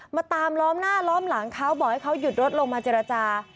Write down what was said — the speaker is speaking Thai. มาตามล้อมหน้าล้อมหลังเขาบอกให้เขาหยุดรถลงมาเจรจา